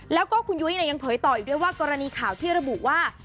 แล้วก็คุณยุ้ยยังเผยต่ออีกด้วยว่ากรณีข่าวที่ระบุว่า